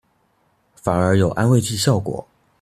反而有安慰劑效果